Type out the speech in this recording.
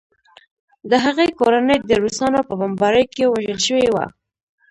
د هغې کورنۍ د روسانو په بمبارۍ کې وژل شوې وه